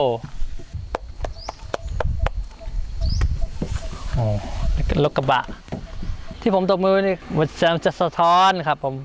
โอ้รถกระบะที่ผมตกมือมันแสดงจะสะท้อนครับผม